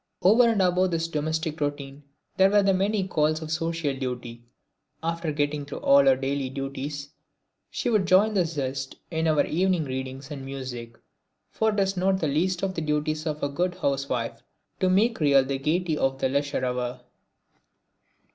Over and above this domestic routine there were the many calls of social duty. After getting through all her daily duties she would join with zest in our evening readings and music, for it is not the least of the duties of a good housewife to make real the gaiety of the leisure hour.